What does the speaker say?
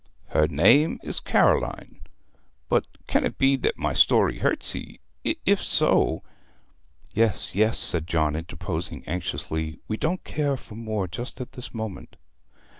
'Her name is Caroline. But can it be that my story hurts ye? If so ' 'Yes, yes,' said John, interposing anxiously. 'We don't care for more just at this moment.'